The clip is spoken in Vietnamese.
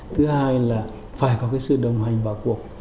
thứ hai là phải có cái sự đồng hành vào cuộc